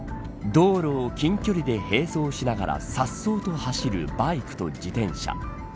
道路を近距離で並走しながら颯爽と走るバイクと自転車。